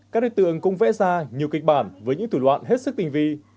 các đối tượng cũng vẽ ra nhiều kịch bản với những thủ đoạn hết sức tinh vi